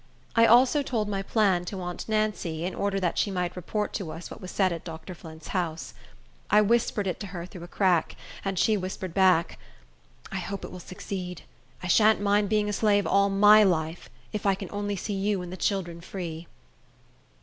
I also told my plan to aunt Nancy, in order that she might report to us what was said at Dr. Flint's house. I whispered it to her through a crack, and she whispered back, "I hope it will succeed. I shan't mind being a slave all my life, if I can only see you and the children free."